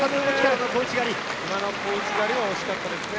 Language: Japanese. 今の小内刈りは惜しかったですね。